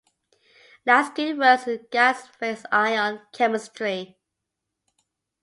Laskin works in gas phase ion chemistry.